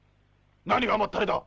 何が甘ったれだ！